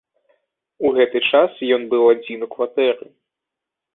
У гэты час ён быў адзін у кватэры.